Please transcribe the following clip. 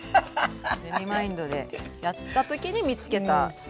レミマインドでやった時に見つけたことです